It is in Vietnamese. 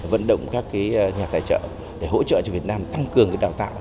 vận động các nhà tài trợ để hỗ trợ cho việt nam tăng cường đào tạo